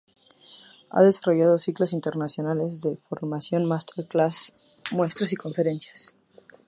Ha desarrollado ciclos internacionales de formación, master class, muestras y conferencias.